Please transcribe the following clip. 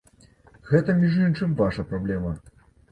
Гэта, між іншым, ваша праблема!